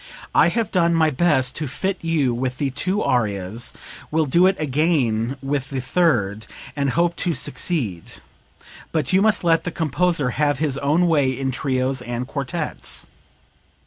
I have done my best to fit you with the two arias, will do it again with the third, and hope to succeed; but you must let the composer have his own way in trios and quartets.'